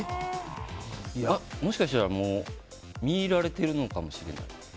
もしかしたら見入られているのかもしれない。